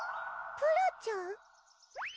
プラちゃん！